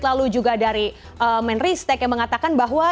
lalu juga dari manry stagg yang mengatakan bahwa